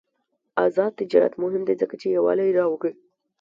آزاد تجارت مهم دی ځکه چې یووالي راوړي.